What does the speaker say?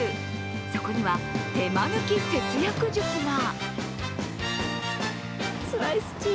そこには、手間抜き節約術が。